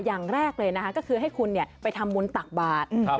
อย่างแรกเลยนะคะก็คือให้คุณไปทำบุญตักบาท